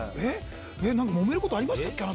何かもめることありましたっけ？